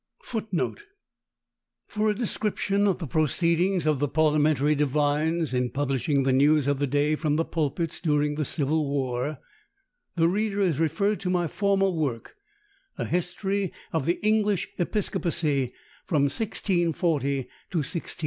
[Footnote 6: For a description of the proceedings of the Parliamentary divines in publishing the news of the day from the pulpits during the civil war, the reader is referred to my former work, A History of the English Episcopacy from 1640 to 1660.